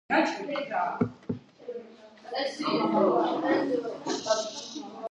ჩრდილოეთით ესაზღვრება კუნძული ახალი მიწა.